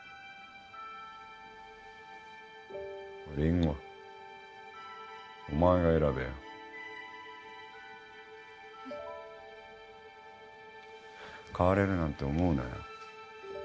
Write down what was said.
りんごお前が選べ変われるなんて思うなよ